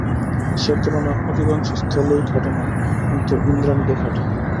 সে তুলনা অধিকাংশ স্থলেই খাটে না, কিন্তু ইন্দ্রাণীকে খাটে।